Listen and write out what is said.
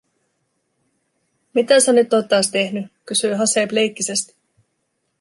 "Mitä sä nyt oot taas tehny?", kysyi Haseeb leikkisästi.